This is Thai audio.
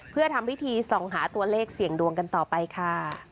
เพื่อทำพิธีส่องหาตัวเลขเสี่ยงดวงกันต่อไปค่ะ